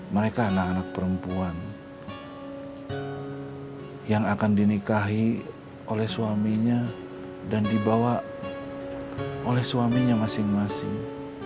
mereka anak anak perempuan yang akan dinikahi oleh suaminya dan dibawa oleh suaminya masing masing